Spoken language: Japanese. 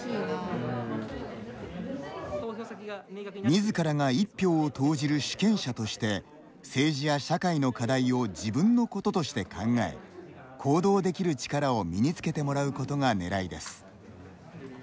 みずからが１票を投じる主権者として政治や社会の課題を自分のこととして考え行動できる力を身につけてもらうことがねらいです。